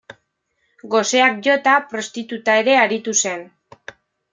Goseak jota, prostituta ere aritu zen.